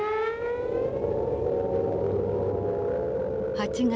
８月。